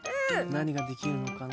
なにができるのかな？